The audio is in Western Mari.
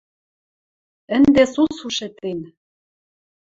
Ӹнде сусу шӹтен